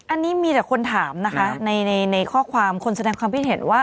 อันนี้มีแต่คนถามนะคะในข้อความคนแสดงความคิดเห็นว่า